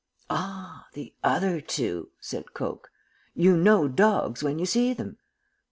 "'Ah, the other two,' said Coke. 'You know dogs when you see them?'